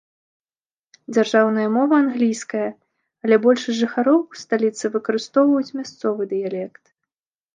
Дзяржаўная мова англійская, але большасць жыхароў сталіцы выкарыстоўваюць мясцовы дыялект.